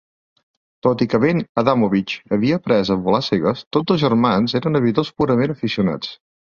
Tot i que Ben Adamowicz havia après a volar a cegues, tots dos germans eren aviadors purament aficionats.